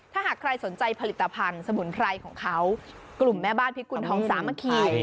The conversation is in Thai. ถ้าหากใครสนใจผลิตภัณฑ์สมุนไพรของเขากลุ่มแม่บ้านพิกุณฑองสามัคคี